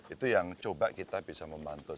itu yang coba kita bisa membantu